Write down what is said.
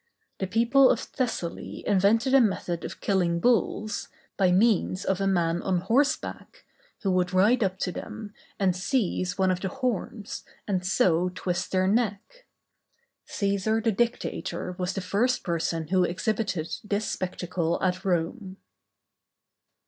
The people of Thessaly invented a method of killing bulls, by means of a man on horseback, who would ride up to them, and seize one of the horns, and so twist their neck. Cæsar the Dictator was the first person who exhibited this spectacle at Rome.